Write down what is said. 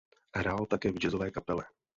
Hrál také v jazzové kapele.